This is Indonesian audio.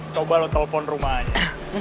coba lo telfon rumahnya